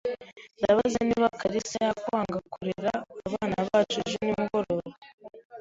Ndabaza niba kalisa yakwanga kurera abana bacu ejo nimugoroba.